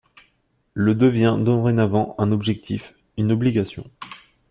Le devient dorénavant un objectif, une obligation.